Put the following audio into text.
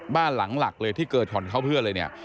บ้านหลังหลักเลยที่เกิดช่อนเข้าเพื่อนเลยเนี่ย